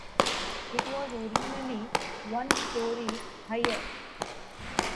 It was originally one story higher.